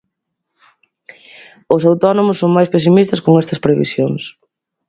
Os autónomos son máis pesimistas con estas previsións.